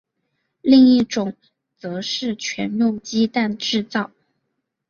另一种则是全用鸡蛋制造。